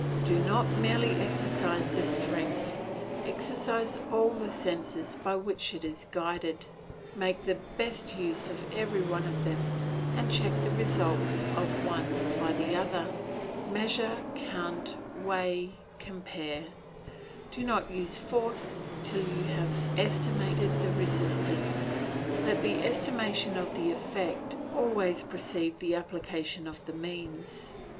Do not merely exercise the strength, exercise all the senses by which it is guided; make the best use of every one of them, and check the results of one by the other. Measure, count, weigh, compare. Do not use force till you have estimated the resistance; let the estimation of the effect always precede the application of the means.